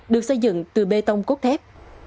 được xây dựng từ bê tông cốt thép